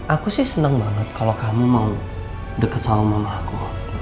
aku sih seneng banget kalau kamu mau deket sama mama aku